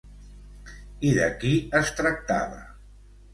I de qui es tractava?